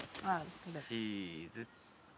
・チーズ。